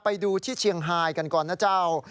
ไปดูที่เชียงฮายกันก่อนนะเจ้า